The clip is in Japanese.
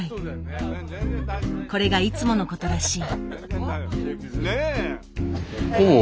これがいつものことらしい。